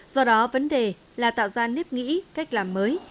do đó vấn đề là tạo ra nếp nghĩ cách làm mới